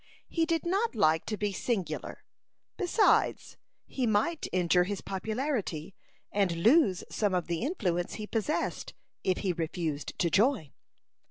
He did not like to be singular. Besides, he might injure his popularity, and lose some of the influence he possessed, if he refused to join.